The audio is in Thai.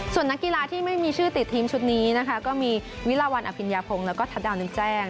ส่วนนักกีฬาที่ไม่มีชื่อติดทีมชุดนี้ก็มีวิราวรรณอภิญภงและทัดดาวนึงแจ้ง